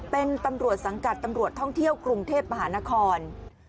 เป็นตำรวจสังกัดตำรวจท่องเที่ยวกรุงเทพมหานคร